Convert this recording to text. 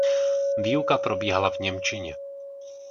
Výuka probíhala v němčině.